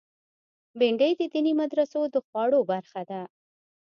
بېنډۍ د دیني مدرسو د خواړو برخه ده